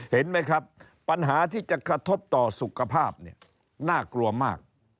เห็นไหมครับปัญหาที่จะกระทบต่อสุขภาพเนี่ยน่ากลัวมาก